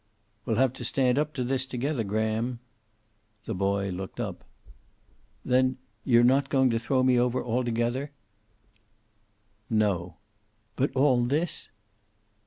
"We'll have to stand up to this together, Graham." The boy looked up. "Then you're not going to throw me over altogether " "No." "But all this